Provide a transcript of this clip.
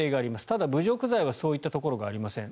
ただ、侮辱罪はそういったところがありません。